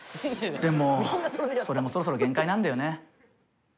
でもそれもそろそろ限界なんだよね。